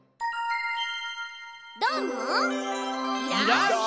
どーも！